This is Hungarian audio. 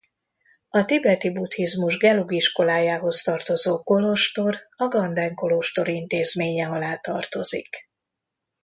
A tibeti buddhizmus gelug iskolájához tartozó kolostor a Ganden kolostor intézménye alá tartozik.